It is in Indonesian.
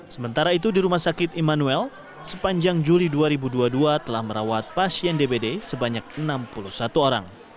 sementara itu di rumah sakit immanuel sepanjang juli dua ribu dua puluh dua telah merawat pasien dbd sebanyak enam puluh satu orang